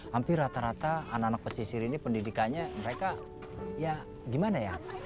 hampir rata rata anak anak pesisir ini pendidikannya mereka ya gimana ya